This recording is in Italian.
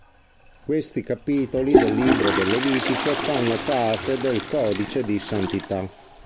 Questi capitoli del "Libro del Levitico" fanno parte del "Codice di Santità".